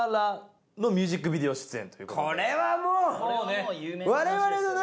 これはもう！